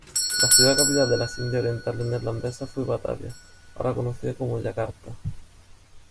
La ciudad capital de las Indias Orientales Neerlandesas fue Batavia, ahora conocida como Yakarta.